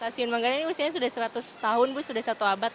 stasiun manggarai ini usianya sudah seratus tahun bu sudah satu abad